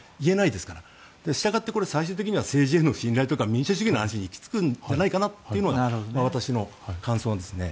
だから、最終的には政治への信頼とか民主主義の話に行き着くんじゃないかというのが私の感想ですね。